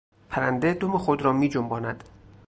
پرنده دم خود را میجنباند.